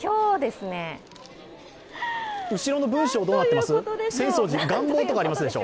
後ろの文章はどうなっています？